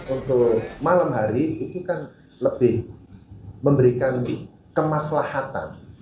untuk malam hari itu kan lebih memberikan kemaslahatan